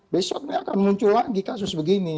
besok ini akan muncul lagi kasus begini